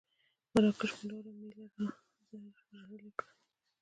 مراکش خوندوره مېله را زهرژلې کړه.